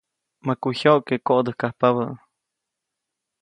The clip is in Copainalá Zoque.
Maku jyoʼke koʼdäjkajpabä.